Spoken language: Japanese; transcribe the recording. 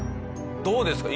どうですか？